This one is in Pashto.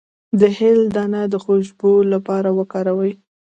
د هل دانه د خوشبو لپاره وکاروئ